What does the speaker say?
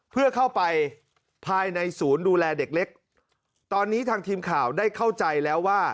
เพื่อเข้าไปภายในศูนย์ดูแลเด็กเล็กตอนนี้ทางทีมข่าวได้เข้าใจแล้วว่า